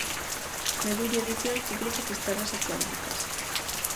Medulia edicións publica "Fisterras atlánticas".